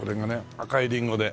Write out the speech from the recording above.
赤いリンゴで。